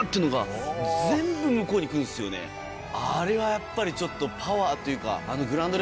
あれはやっぱりちょっとパワーというか。